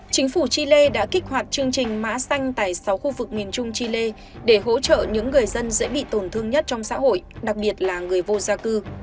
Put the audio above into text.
chính phủ chile đã kích hoạt chương trình mã xanh tại sáu khu vực miền trung chile để hỗ trợ những người dân dễ bị tổn thương nhất trong xã hội đặc biệt là người vô gia cư